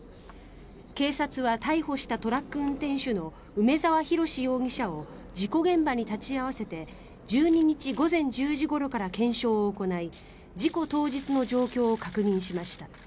警察は逮捕したトラック運転手の梅沢洋容疑者を事故現場に立ち会わせて１２日午前１０時ごろから検証を行い事故当日の状況を確認しました。